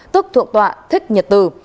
tức thượng tọa thích nhật từ